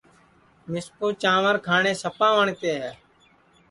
مِسکُو چانٚور کھاٹؔے سپا وٹؔتے ہے